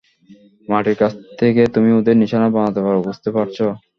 মাটির কাছে থেকে, তুমি ওদের নিশানা বানাতে পারো - বুঝতে পারছ?